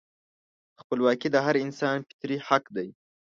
خپلواکي د هر انسان فطري حق دی.